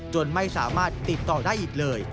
จนไม่สามารถติดต่อได้อีกเลย